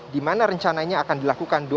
di mana rencananya akan dilakukan